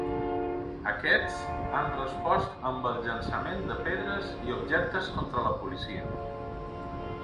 Aquests han respost amb el llançament de pedres i objectes contra la policia.